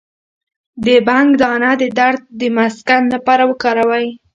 د بنګ دانه د درد د مسکن لپاره وکاروئ